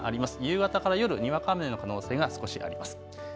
夕方から夜、にわか雨の可能性が少しあります。